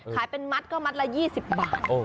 ขายเป็นมัตต์ก็มัตต์ละ๒๐บาท